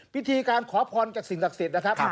พิธีการขอพรจากสิ่งศักดิ์สิทธิ์นะครับ